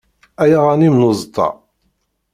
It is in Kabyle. Ay aɣanim n uẓeṭṭa.